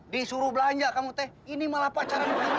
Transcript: disuruh belanja kamu teh ini malah pacaran